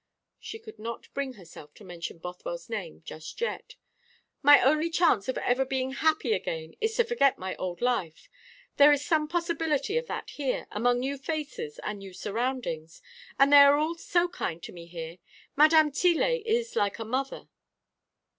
She could not bring herself to mention Bothwell's name just yet. "My only chance of ever being happy again is to forget my old life. There is some possibility of that here, among new faces and new surroundings. And they are all so kind to me here Madame Tillet is like a mother."